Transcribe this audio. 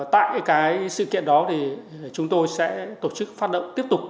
tại cái sự kiện đó thì chúng tôi sẽ tổ chức phát động tiếp tục